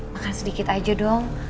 makan sedikit aja dong